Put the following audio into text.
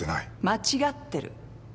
間違ってる。